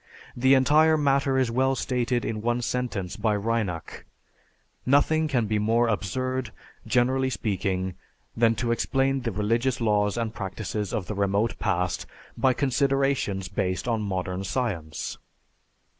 The entire matter is well stated in one sentence by Reinach, "Nothing can be more absurd, generally speaking, than to explain the religious laws and practices of the remote past by considerations based on modern science."